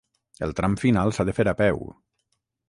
El tram final s'ha de fer a peu.